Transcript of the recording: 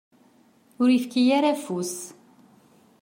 Ur yefki ara afus.